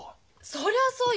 そりゃそうよ。